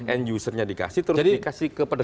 and usernya dikasih terus dikasih ke penegakan hukum